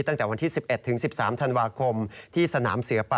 ตั้งแต่วันที่๑๑ถึง๑๓ธันวาคมที่สนามเสือป่า